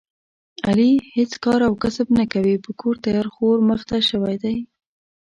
علي هېڅ کار او کسب نه کوي، په کور تیار خور مخته شوی دی.